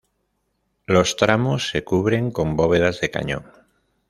Los tramos se cubren con bóvedas de cañón.